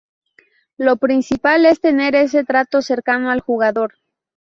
Lo principal es tener ese trato cercano al jugador.